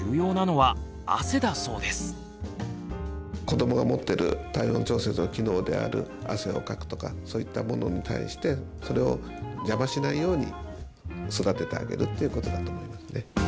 子どもが持ってる体温調節の機能である汗をかくとかそういったものに対してそれを邪魔しないように育ててあげるっていうことだと思いますね。